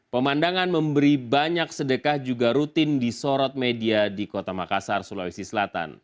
pemandangan memberi banyak sedekah juga rutin disorot media di kota makassar sulawesi selatan